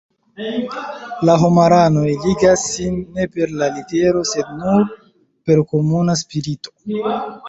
La homaranoj ligas sin ne per la litero sed nur per komuna spirito.